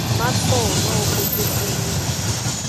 Ma sowo nowo kotunyi.